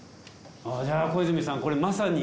あぁじゃあ小泉さんこれまさに。